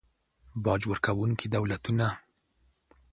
باج ورکونکي دولتونه